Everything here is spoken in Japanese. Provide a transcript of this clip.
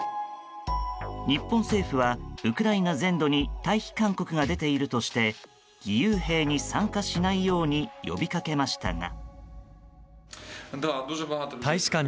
日本政府は、ウクライナ全土に退避勧告が出ているとして義勇兵に参加しないように呼びかけましたが。